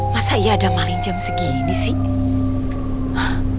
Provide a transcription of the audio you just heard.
masa iya ada malin jam segini sih